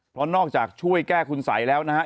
เพราะนอกจากช่วยแก้คุณสัยแล้วนะฮะ